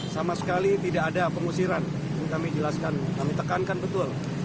sama sekali tidak ada pengusiran yang kami jelaskan kami tekankan betul